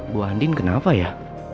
bu andien kenapa ya